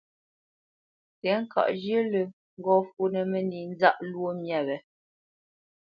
Tɛ̌ŋkaʼ zhyə̂ lə́ ŋgɔ́ fǔnə́ mə́nī nzáʼ lwó myâ wě,